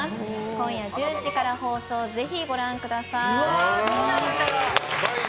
今夜１０時から放送ぜひご覧ください。